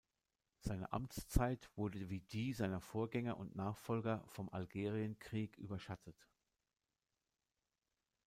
Seine Amtszeit wurde wie die seiner Vorgänger und Nachfolger vom Algerienkrieg überschattet.